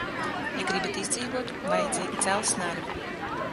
Ja gribat izdzīvot, vajadzīgi dzelzs nervi.